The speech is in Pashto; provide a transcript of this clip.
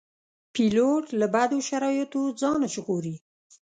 پیلوټ له بدو شرایطو ځان ژغوري.